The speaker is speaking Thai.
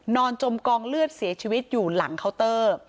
จมกองเลือดเสียชีวิตอยู่หลังเคาน์เตอร์